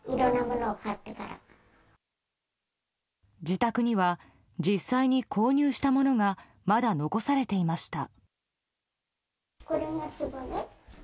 自宅には実際に購入したものがまだ残されていました。